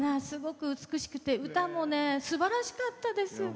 すごく美しくて歌もすばらしかったです。